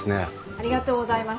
ありがとうございます。